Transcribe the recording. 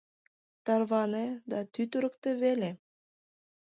Тарване да тӱтырыктӧ веле...